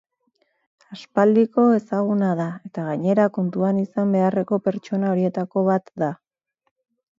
Aspaldiko ezaguna da, eta gainera kontuan izan beharreko pertsona horietako bat da.